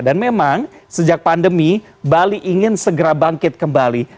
dan memang sejak pandemi bali ingin segera bangkit kembali